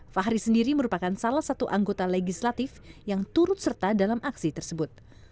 fahri sendiri merupakan salah satu anggota legislatif yang turut serta dalam aksi tersebut